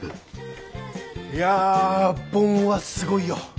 いやボンはすごいよ。